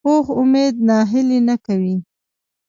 پوخ امید ناهیلي نه کوي